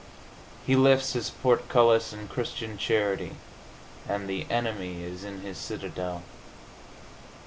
He lifts his portcullis in Christian charity and the enemy is in his citadel.